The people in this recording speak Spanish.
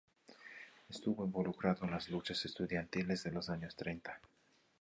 Estuvo involucrado en las luchas estudiantiles de los años treinta.